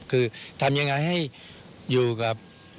คือทำยังไงให้อยู่กับ